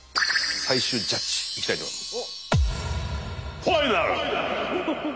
最終ジャッジいきたいと思います。